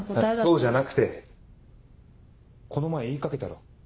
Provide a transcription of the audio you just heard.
そうじゃなくてこの前言いかけたろ。